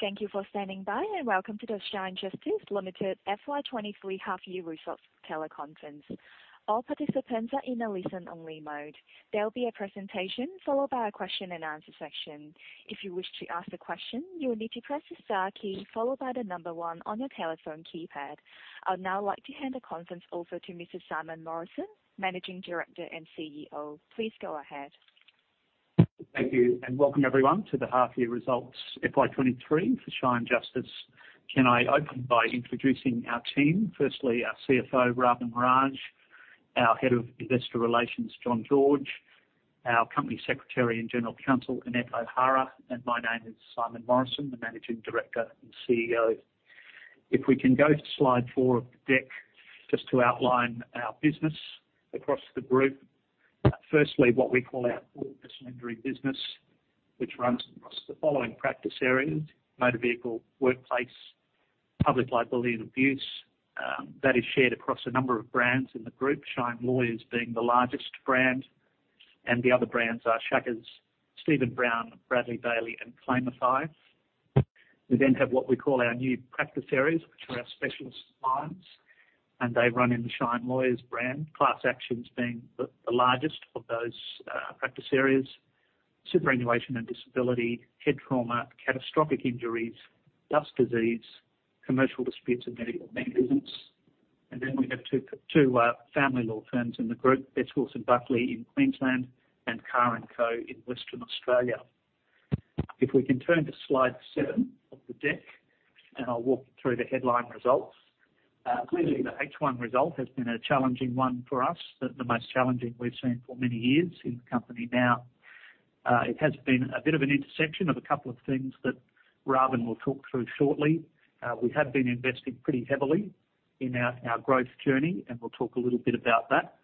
Thank you for standing by. Welcome to the Shine Justice Ltd FY 2023 half year results teleconference. All participants are in a listen-only mode. There'll be a presentation followed by a question and answer section. If you wish to ask the question, you will need to press the star key followed by the number 1 on your telephone keypad. I'd now like to hand the conference over to Mr. Simon Morrison, Managing Director and CEO. Please go ahead. Thank you. Welcome everyone to the half year results FY 2023 for Shine Justice. Can I open by introducing our team? Firstly, our CFO, Ravin Raj; our Head of Investor Relations, John George; our Company Secretary and General Counsel, Annette O'Hara, and my name is Simon Morrison, the Managing Director and CEO. We can go to slide four of the deck, just to outline our business across the group. Firstly, what we call our core personal injury business, which runs across the following practice areas: motor vehicle, workplace, public liability, and abuse, that is shared across a number of brands in the group. Shine Lawyers being the largest brand, and the other brands are Sciaccas, Stephen Browne, Bradley Bayly, and Claimify. We have what we call our new practice areas, which are our specialist lines. They run in the Shine Lawyers brand. Class actions being the largest of those practice areas, superannuation and disability, head trauma, catastrophic injuries, dust disease, commercial disputes and medical negligence. Then we have two family law firms in the group, Best Wilson Buckley in Queensland and Carr & Co in Western Australia. If we can turn to slide seven of the deck, and I'll walk you through the headline results. Clearly, the H1 result has been a challenging one for us, the most challenging we've seen for many years in the company now. It has been a bit of an intersection of a couple of things that Ravin will talk through shortly. We have been investing pretty heavily in our growth journey, and we'll talk a little bit about that.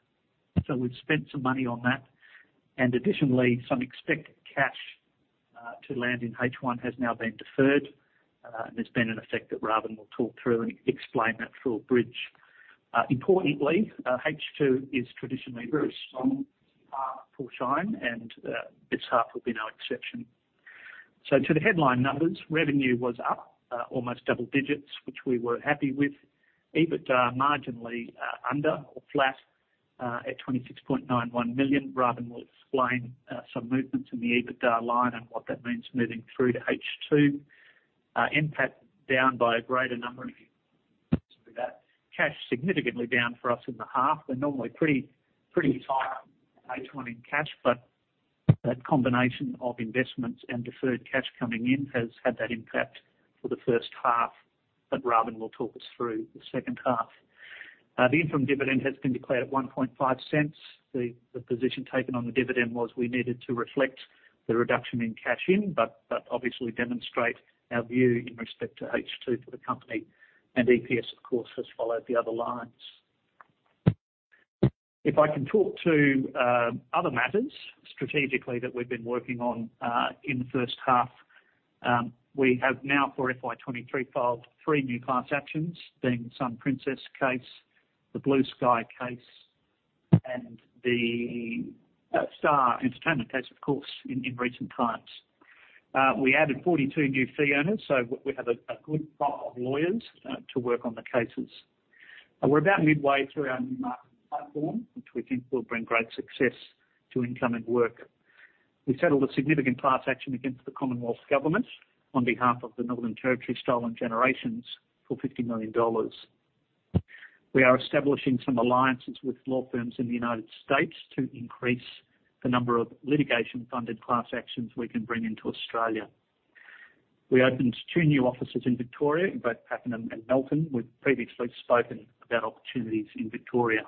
We've spent some money on that. Additionally, some expected cash to land in H1 has now been deferred. There's been an effect that Ravin will talk through and explain that full bridge. Importantly, H2 is traditionally a very strong half for Shine, and this half will be no exception. To the headline numbers, revenue was up almost double digits, which we were happy with. EBITDA marginally under or flat at 26.91 million. Ravin will explain some movements in the EBITDA line and what that means moving through to H2. NPAT down by a greater number that. Cash significantly down for us in the half. We're normally pretty high H1 in cash, that combination of investments and deferred cash coming in has had that impact for the first half, Rabin will talk us through the second half. The interim dividend has been declared at 0.015. The position taken on the dividend was we needed to reflect the reduction in cash in, but obviously demonstrate our view in respect to H2 for the company and EPS, of course, has followed the other lines. I can talk to other matters strategically that we've been working on in the first half. We have now for FY 2023 filed three new class actions, being Sun Princess case, the Blue Sky case, and the Star Entertainment case, of course, in recent times. We added 42 new fee owners, so we have a good crop of lawyers to work on the cases. We're about midway through our new marketing platform, which we think will bring great success to incoming work. We settled a significant class action against the Commonwealth government on behalf of the Northern Territory Stolen Generations for $50 million. We are establishing some alliances with law firms in the United States to increase the number of litigation funded class actions we can bring into Australia. We opened two new offices in Victoria, in both Pakenham and Melton. We've previously spoken about opportunities in Victoria.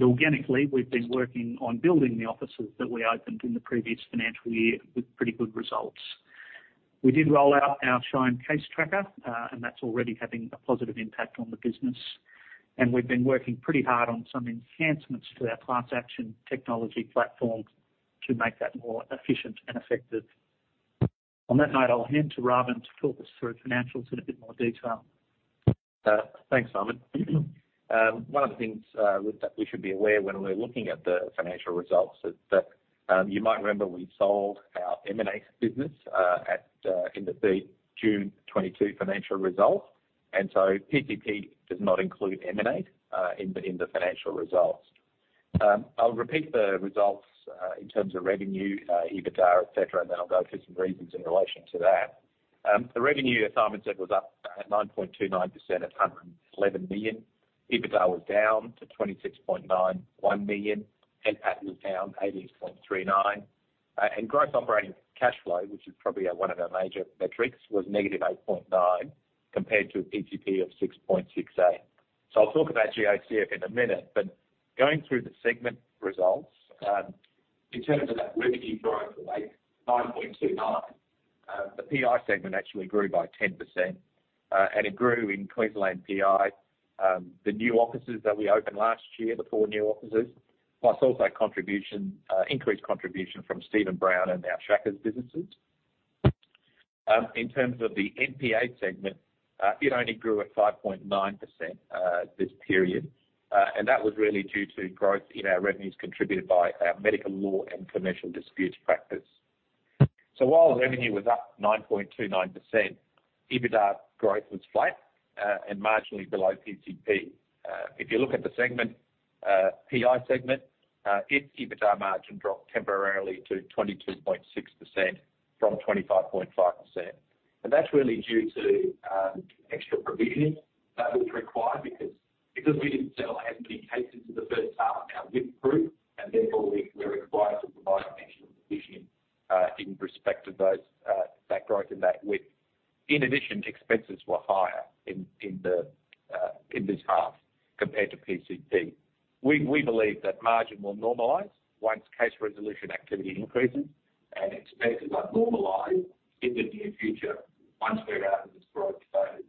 Organically, we've been working on building the offices that we opened in the previous financial year with pretty good results. We did roll out our Shine Case Tracker, and that's already having a positive impact on the business. We've been working pretty hard on some enhancements to our class action technology platform to make that more efficient and effective. On that note, I'll hand to Ravin to talk us through financials in a bit more detail. Thanks, Simon. One of the things that we should be aware when we're looking at the financial results is that you might remember we sold our Emanate business in the June 2022 financial results. PTP does not include Emanate in the financial results. I'll repeat the results in terms of revenue, EBITDA, etc., and then I'll go through some reasons in relation to that. The revenue, as Simon said, was up at 9.29% at 111 million. EBITDA was down to 26.91 million. NPAT was down 18.39%. Gross Operating Cash Flow, which is probably one of our major metrics, was -8.9 compared to a PTP of 6.68. I'll talk about GOCF in a minute. Going through the segment results, in terms of that revenue growth rate, 9.29%, the PI segment actually grew by 10%. It grew in Queensland PI, the new offices that we opened last year, the four new offices, plus also increased contribution from Stephen Browne and our Sciaccas businesses. In terms of the NPA segment, it only grew at 5.9% this period. That was really due to growth in our revenues contributed by our medical law and commercial disputes practice. While revenue was up 9.29%, EBITDA growth was flat and marginally below PCP. If you look at the segment, PI segment, its EBITDA margin dropped temporarily to 22.6% from 25.5%. That's really due to extra provisioning that was required because we didn't settle as many cases in the first half of our width group, and therefore we're required to provide additional provisioning in respect to those, that growth in that width. In addition, expenses were higher in the in this half compared to PCP. We believe that margin will normalize once case resolution activity increases and expenses are normalized in the near future once we're out of this growth phase.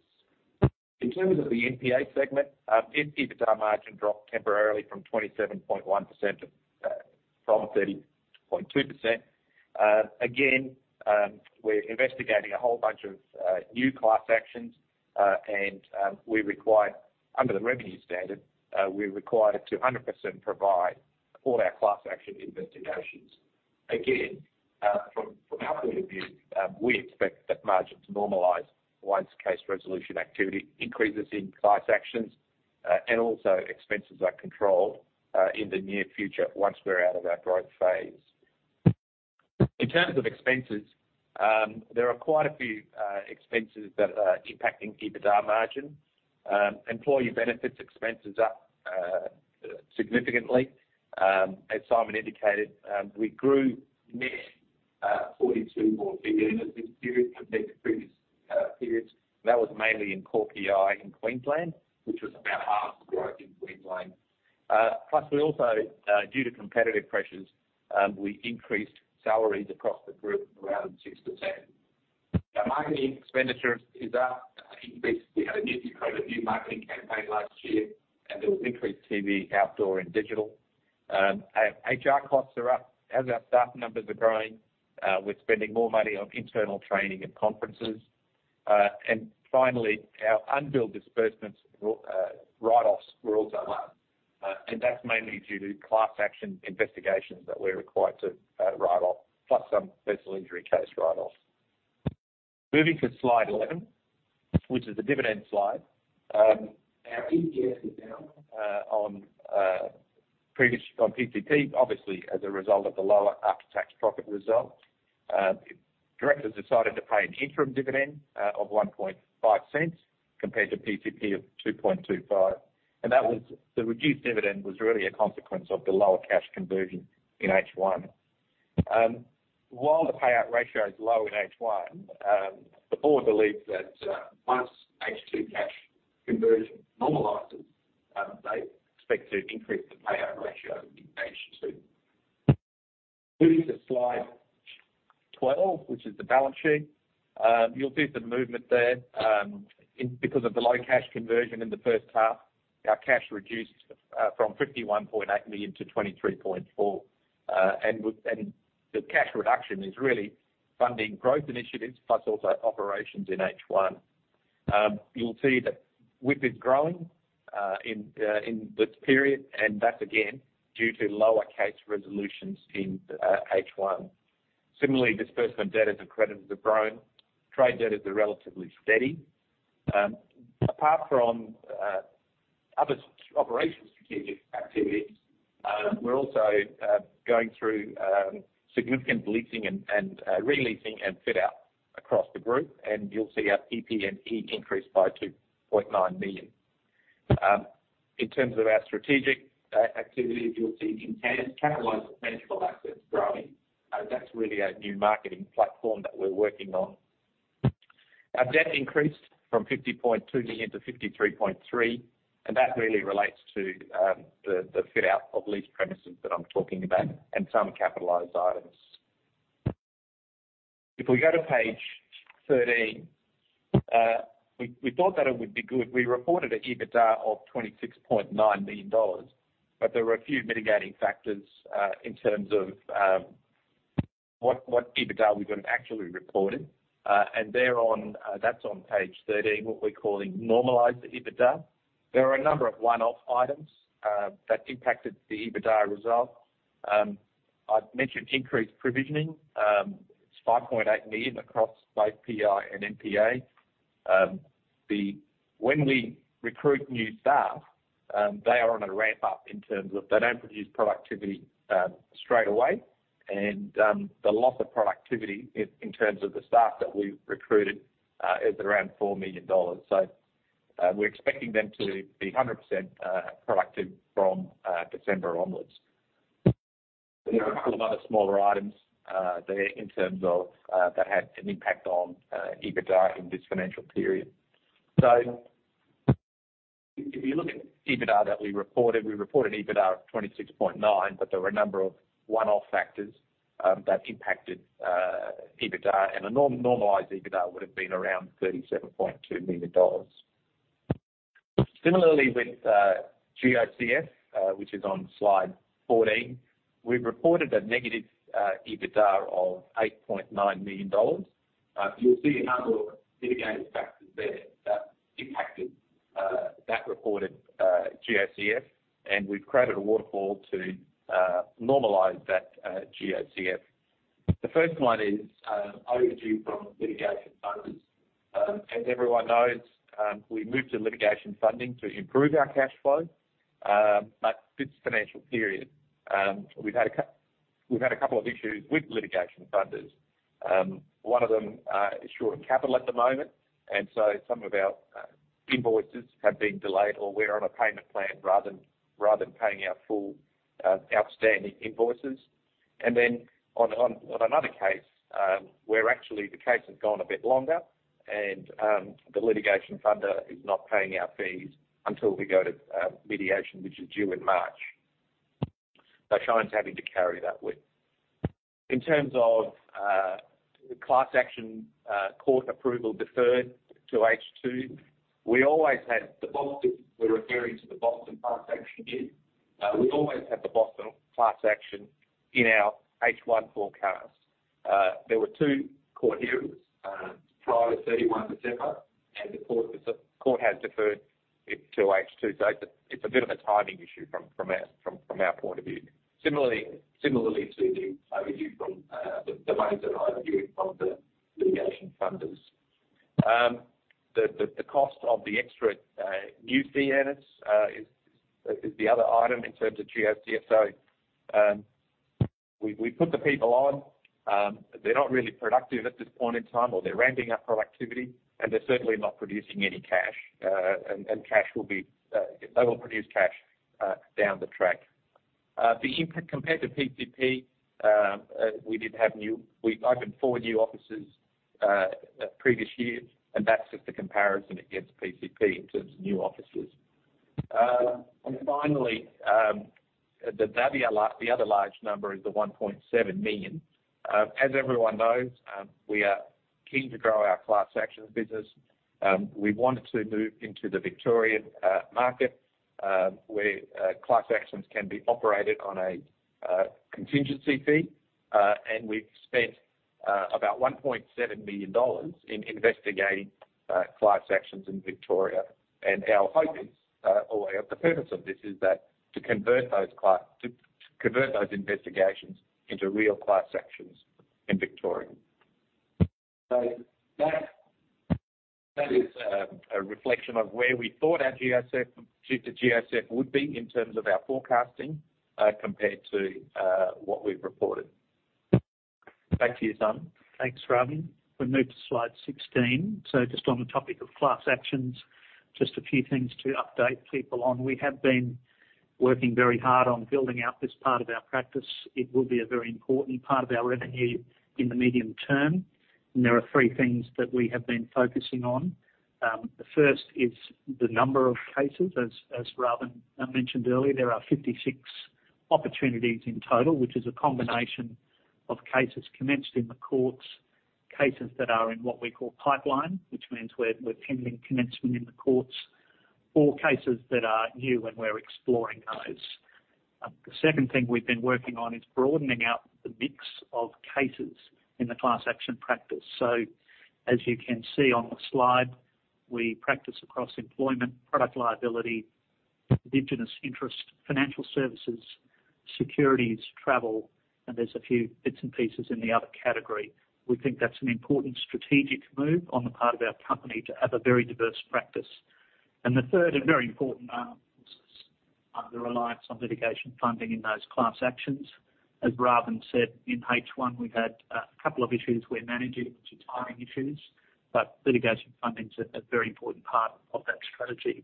In terms of the NPA segment, its EBITDA margin dropped temporarily from 27.1% to from 30.2%. Again, we're investigating a whole bunch of new class actions. Under the revenue standard, we're required to 100% provide all our class action investigations. Again, from our point of view, we expect that margin to normalize once case resolution activity increases in class actions, and also expenses are controlled in the near future once we're out of our growth phase. In terms of expenses, there are quite a few expenses that are impacting EBITDA margin. Employee benefits expenses are significantly, as Simon indicated, we grew net 42 billion more in this period compared to previous periods. That was mainly in core PI in Queensland, which was about half the growth in Queensland. Plus we also, due to competitive pressures, we increased salaries across the group around 6%. Now, marketing expenditure is up increased. We had a new credit, new marketing campaign last year, and there was increased TV, outdoor, and digital. Our HR costs are up. As our staff numbers are growing, we're spending more money on internal training and conferences. Finally, our unbilled disbursements, write-offs were also up. That's mainly due to class action investigations that we're required to write off, plus some personal injury case write-offs. Moving to slide 11, which is the dividend slide. Our EPS is down on PCP, obviously, as a result of the lower after-tax profit results. Directors decided to pay an interim dividend of 0.015 compared to PCP of 0.0225. That was the reduced dividend was really a consequence of the lower cash conversion in H1. While the payout ratio is low in H1, the board believes that once H2 cash conversion normalizes, they expect to increase the payout ratio in H2. Moving to slide 12, which is the balance sheet. You'll see some movement there because of the low cash conversion in the first half. Our cash reduced from 51.8 million-23.4 million. The cash reduction is really funding growth initiatives plus also operations in H1. You'll see that WIP is growing in this period, and that's again due to lower case resolutions in H1. Similarly, disbursement debt as a credit has grown. Trade debt is relatively steady. Apart from other operational strategic activities, we're also going through significant leasing and re-leasing and fit-out across the group. You'll see our PP&E increased by $2.9 million. In terms of our strategic activities, you'll see intent to capitalize tangible assets growing. That's really our new marketing platform that we're working on. Our debt increased from $50.2 million-$53.3 million. That really relates to the fit-out of leased premises that I'm talking about and some capitalized items. If we go to page 13, we thought that it would be good. We reported an EBITDA of $26.9 million. There were a few mitigating factors in terms of what EBITDA we would have actually reported. There on, that's on page 13, what we're calling normalized EBITDA. There are a number of one-off items that impacted the EBITDA result. I've mentioned increased provisioning. It's 5.8 million across both PI and NPA. When we recruit new staff, they are on a ramp-up in terms of they don't produce productivity straight away. The loss of productivity in terms of the staff that we've recruited is around 4 million dollars. We're expecting them to be 100% productive from December onwards. There are a couple of other smaller items there in terms of that had an impact on EBITDA in this financial period. If you look at EBITDA that we reported, we reported EBITDA of 26.9, but there were a number of one-off factors that impacted EBITDA. A normalized EBITDA would have been around 37.2 million dollars. Similarly, with GOCF, which is on slide 14, we've reported a negative EBITDA of 8.9 million dollars. You'll see a number of litigated factors there that impacted that reported GOCF, and we've created a waterfall to normalize that GOCF. The first one is overdue from litigation funders. As everyone knows, we moved to litigation funding to improve our cash flow. But this financial period, we've had a couple of issues with litigation funders. One of them is short on capital at the moment, some of our invoices have been delayed, or we're on a payment plan rather than paying our full outstanding invoices. On another case, where actually the case has gone a bit longer and the litigation funder is not paying our fees until we go to mediation, which is due in March. Shine's having to carry that with. In terms of class action court approval deferred to H2, we always had the Boston class action here. We always have the Boston class action in our H1 forecast. There were two court hearings prior to 31 September, and the court has deferred it to H2. It's a bit of a timing issue from our point of view. Similarly to the overdue from the amounts that are overdue from the litigation funders. The cost of the extra new fee earners is the other item in terms of GOCF. We put the people on, they're not really productive at this point in time, or they're ramping up productivity, and they're certainly not producing any cash. Cash will be, they will produce cash down the track. The input compared to PCP, we opened four new offices previous years, and that's just the comparison against PCP in terms of new offices. Finally, the other large number is the $1.7 million. As everyone knows, we are keen to grow our class actions business. We want to move into the Victorian market, where class actions can be operated on a contingency fee. We've spent about $1.7 million in investigating class actions in Victoria. Our hope is, or the purpose of this is that to convert those investigations into real class actions in Victoria. That, that is a reflection of where we thought our GSF, the GSF would be in terms of our forecasting, compared to what we've reported. Back to you, Simon. Thanks, Ravin. We move to slide 16. Just on the topic of class actions, just a few things to update people on. We have been working very hard on building out this part of our practice. It will be a very important part of our revenue in the medium term, there are three things that we have been focusing on. The first is the number of cases. As Ravin mentioned earlier, there are 56 opportunities in total, which is a combination of cases commenced in the courts, cases that are in what we call pipeline, which means we're pending commencement in the courts or cases that are new and we're exploring those. The second thing we've been working on is broadening out the mix of cases in the class action practice. As you can see on the slide, we practice across employment, product liability, Indigenous interest, financial services, securities, travel, and there's a few bits and pieces in the other category. We think that's an important strategic move on the part of our company to have a very diverse practice. The third and very important are the reliance on litigation funding in those class actions. As Robin said, in H1, we've had a couple of issues we're managing, which are timing issues, but litigation funding's a very important part of that strategy.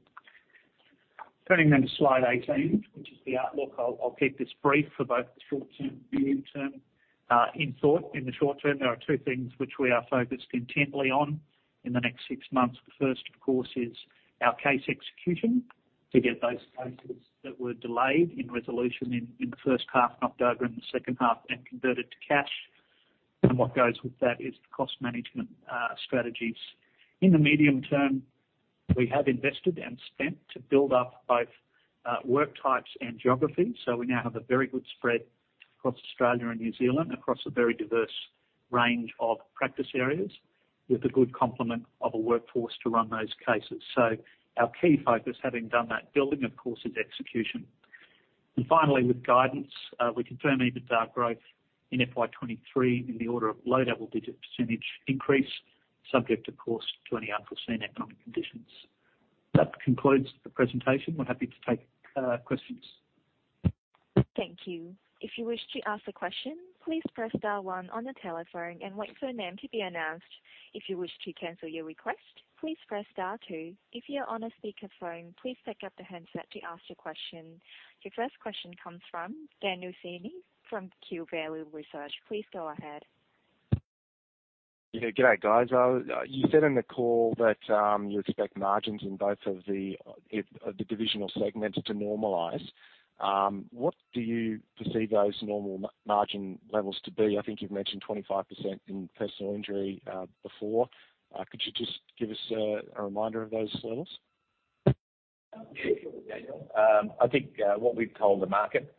Turning to slide 18, which is the outlook. I'll keep this brief for both the short term and the medium term. In thought, in the short term, there are two things which we are focused intently on in the next six months. The first, of course, is our case execution to get those cases that were delayed in resolution in the first half, knocked over in the second half, converted to cash. What goes with that is the cost management strategies. In the medium term, we have invested and spent to build up both work types and geography. We now have a very good spread across Australia and New Zealand across a very diverse range of practice areas with a good complement of a workforce to run those cases. Our key focus, having done that building, of course, is execution. Finally, with guidance, we confirm EBITDA growth in FY 2023 in the order of low double-digit % increase subject, of course, to any unforeseen economic conditions. That concludes the presentation. We're happy to take questions. Thank you. If you wish to ask a question, please press star one on the telephone and wait for your name to be announced. If you wish to cancel your request, please press star two. If you're on a speakerphone, please pick up the handset to ask your question. Your first question comes from Daniel Tschirep from Q Value Research. Please go ahead. Yeah. Good day, guys. You said in the call that you expect margins in both of the divisional segment to normalize. What do you perceive those normal margin levels to be? I think you've mentioned 25% in personal injury before. Could you just give us a reminder of those levels? Daniel. I think what we've told the market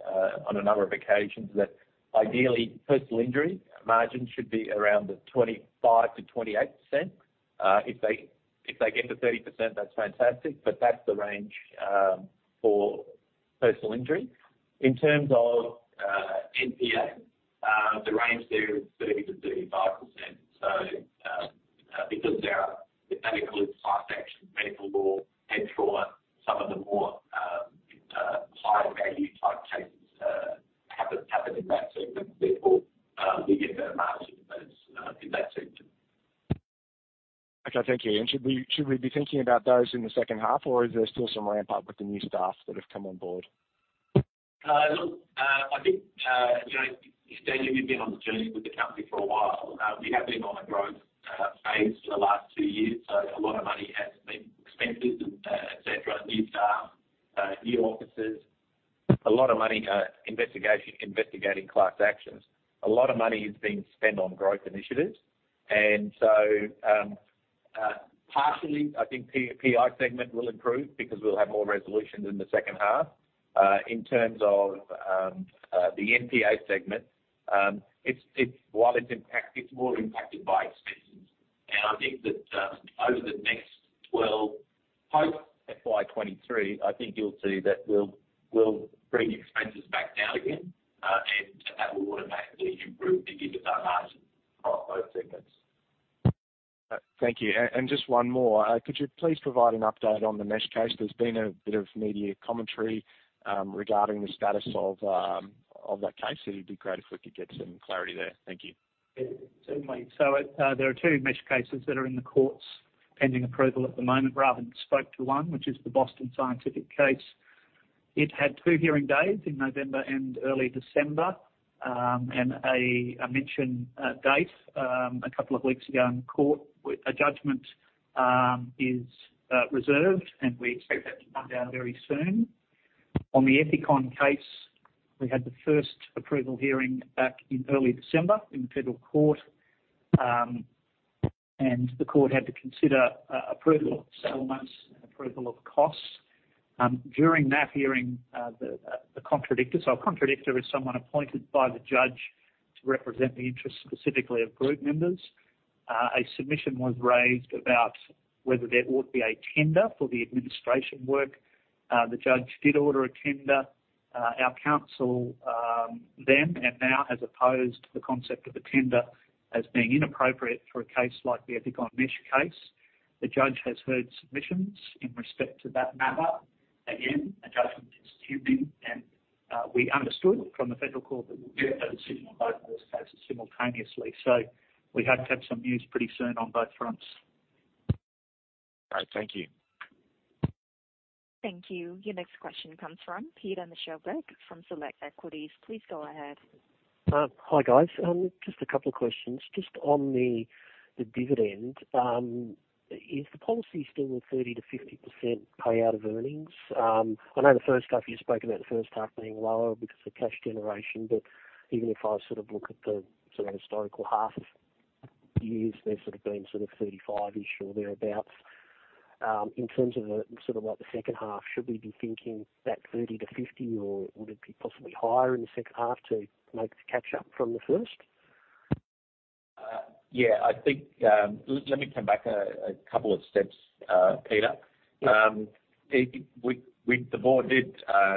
on a number of occasions that ideally personal injury margins should be around the 25%-28%. If they get to 30%, that's fantastic, that's the range for personal injury. In terms of NPA, the range there is 30%-35%. Because there are typically class action, medical law, head trauma, some of the more higher value type cases happen in that segment, therefore, we get better margins as in that segment. Okay. Thank you. Should we be thinking about those in the second half, or is there still some ramp up with the new staff that have come on board? I think, you know, Daniel, you've been on the journey with the company for a while. We have been on a growth phase for the last two years, so a lot of money has been expenses, etc., new staff, new offices, a lot of money investigating class actions. A lot of money is being spent on growth initiatives. Partially, I think PI segment will improve because we'll have more resolutions in the second half. In terms of the NPA segment, it's more impacted by expenses. I think that over the next 12 post FY 2023, I think you'll see that we'll bring expenses back down again, and that will automatically improve the dividend margins for both segments. Thank you. Just one more. Could you please provide an update on the mesh case? There's been a bit of media commentary, regarding the status of that case. It'd be great if we could get some clarity there. Thank you. Yeah. Certainly. It, there are two mesh cases that are in the courts pending approval at the moment. Ravi spoke to one which is the Boston Scientific case. It had two hearing days in November and early December. A mention date a couple of weeks ago in court with a judgment is reserved, and we expect that to come down very soon. On the Ethicon case, we had the first approval hearing back in early December in federal court. The court had to consider approval of settlements and approval of costs. During that hearing, the contradictor. A contradictor is someone appointed by the judge to represent the interests specifically of group members. A submission was raised about whether there ought to be a tender for the administration work. The judge did order a tender. Our counsel, then and now has opposed the concept of a tender as being inappropriate for a case like the Ethicon mesh case. The judge has heard submissions in respect to that matter. Again, a judgment is due then, and we understood from the federal court that we'll get a decision on both those cases simultaneously. We hope to have some news pretty soon on both fronts. All right. Thank you. Thank you. Your next question comes from Peter Meichelboeck from Select Equities. Please go ahead. Hi, guys. Just a couple of questions. Just on the dividend, is the policy still 30%-50% payout of earnings? I know the first half you spoke about the first half being lower because of cash generation, but even if I look at the historical half years, they've been 35-ish or thereabout. In terms of like the second half, should we be thinking that 30%-50%, or would it be possibly higher in the second half to make the catch up from the first? Yeah. I think, let me come back a couple of steps, Peter. The board did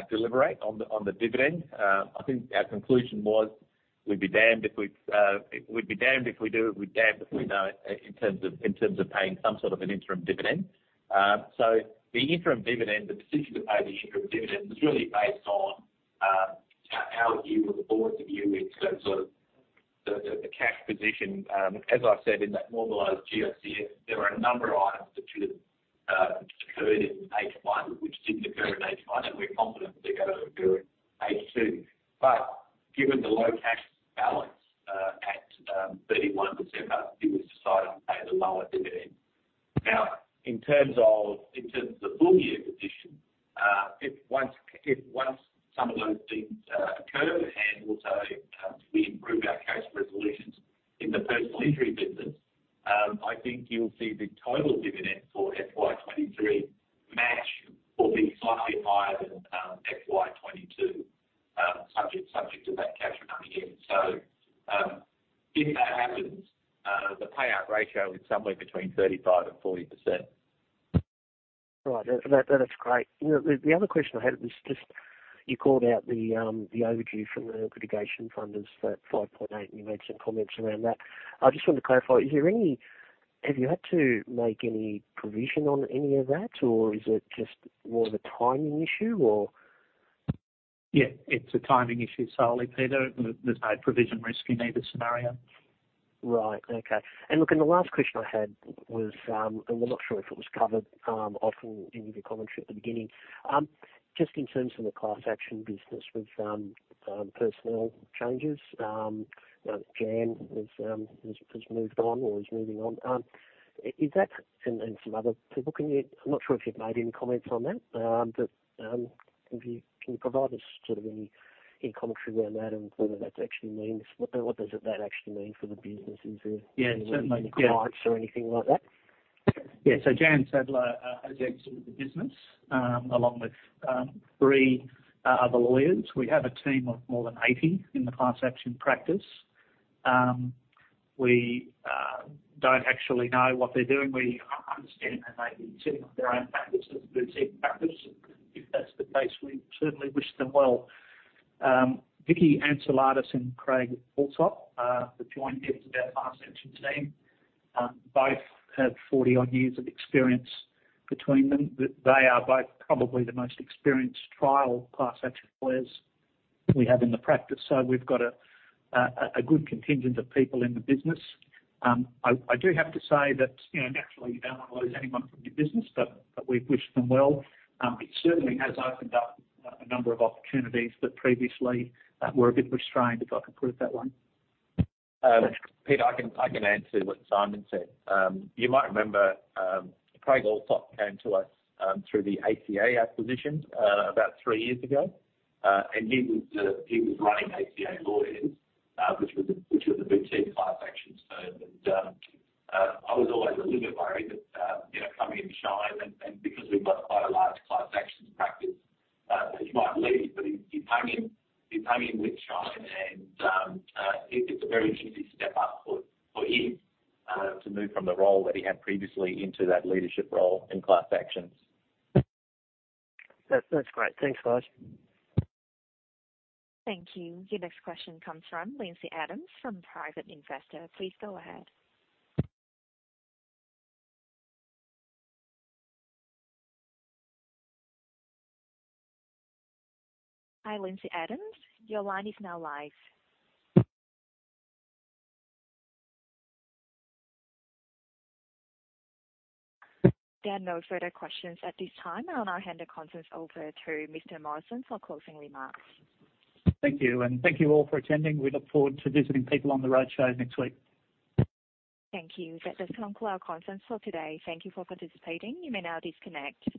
deliberate on the dividend. I think our conclusion was we'd be damned if we've, we'd be damned if we do, we'd be damned if we don't in terms of paying some sort of an interim dividend. The interim dividend, the decision to pay the interim dividend was really based on how we as a board to view in terms of the cash position. As I said in that normalized GOCF, there were a number of items that should have occurred in H one which didn't occur in H one, and we're confident they're gonna occur in H two. Given the low cash balance, at 31%, it was decided to pay the lower dividend. In terms of the full year position, if once some of those things occur and also if we improve our case resolutions in the personal injury business, I think you'll see the total dividend for FY 2023 match or be slightly higher than FY22, subject to that cash coming in. If that happens, the payout ratio is somewhere between 35%-40%. Right. That's great. You know, the other question I had was just you called out the overdue from the litigation funders for 5.8, and you made some comments around that. I just want to clarify. Is there any have you had to make any provision on any of that, or is it just more of a timing issue or? Yeah, it's a timing issue solely, Peter. There, there's no provision risk in either scenario. Right. Okay. Look, the last question I had was, I'm not sure if it was covered off in any of your commentary at the beginning. Just in terms of the class action business with personnel changes, you know, Jan has moved on or is moving on. Some other people. I'm not sure if you've made any comments on that. Can you, can you provide us sort of any commentary around that and what that actually means, what does that actually mean for the business in terms of. Yeah. Certainly. clients or anything like that? Jan Saddler has exited the business, along with three other lawyers. We have a team of more than 80 in the class action practice. We don't actually know what they're doing. We understand that they may be setting up their own practice as a boutique practice. If that's the case, we certainly wish them well. Vicky Antzoulatos and Craig Allsopp are the joint heads of our class action team. Both have 40-odd years of experience between them. They are both probably the most experienced trial class action lawyers we have in the practice. We've got a good contingent of people in the business. I do have to say that, you know, naturally, you don't want to lose anyone from your business, but we wish them well. It certainly has opened up a number of opportunities that previously were a bit restrained, if I could put it that way. Pete, I can add to what Simon said. You might remember, Craig Allsopp came to us through the ACA acquisition about three years ago, and he was running ACA Lawyers, which was a boutique class action firm. I was always a little bit worried that, you know, come in Shine and because we've got quite a large class actions practice, that he might leave, but he came in with Shine and it's a very easy step up for him to move from the role that he had previously into that leadership role in class actions. That's great. Thanks, guys. Thank you. Your next question comes from Lindsey Adams from Private Investor. Please go ahead. Hi, Lindsey Adams. Your line is now live. There are no further questions at this time. I'll now hand the conference over to Mr. Morrison for closing remarks. Thank you. Thank you all for attending. We look forward to visiting people on the roadshow next week. Thank you. That does conclude our conference for today. Thank you for participating. You may now disconnect.